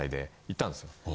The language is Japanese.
行ったんですよ。